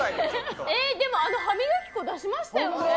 えー、でも、あの歯磨き粉出しましたよね。